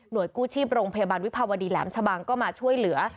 โดยกู้ชีพโรงพยาบาลวิภาวดีแหลมชะบังก็มาช่วยเหลือ